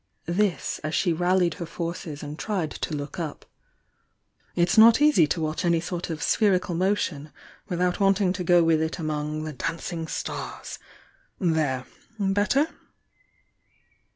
This, as she ral lied her forces and tried to look up. "It's not easy to watch any sort of Spherical Motion v/ithout want ing to go with it among 'the dancing stars!' There! Better?"